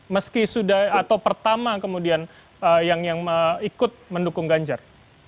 meski sudah atau pertama kemudian yang ikut mendukung ganjar